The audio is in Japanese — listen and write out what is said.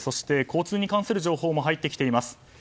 交通に関する情報も入ってきています。